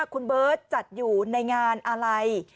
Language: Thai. คุณเบิร์ตจัดอยู่ในงานอะไร